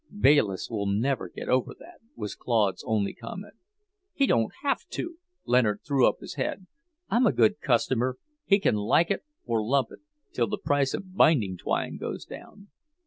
'" "Bayliss will never get over that," was Claude's only comment. "He don't have to!" Leonard threw up his head. "I'm a good customer; he can like it or lump it, till the price of binding twine goes down!"